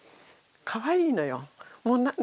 かわいいのよ。